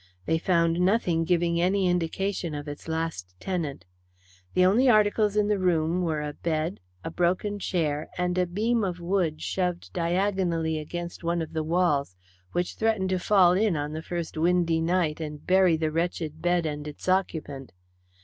They found nothing giving any indication of its last tenant. The only articles in the room were a bed, a broken chair, and a beam of wood shoved diagonally against one of the walls, which threatened to fall in on the first windy night and bury the wretched bed and its occupant.